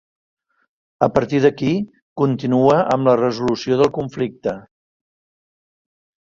A partir d'aquí, continua amb la resolució del conflicte.